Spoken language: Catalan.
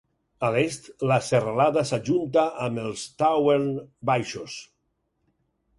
A l'est, la serralada s'ajunta amb els Tauern baixos.